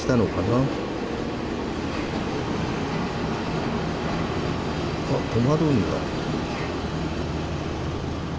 あっ止まるんだ。